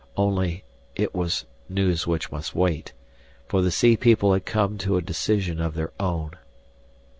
Only, it was news which must wait. For the sea people had come to a decision of their own.